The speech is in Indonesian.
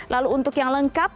lalu untuk yang lengkap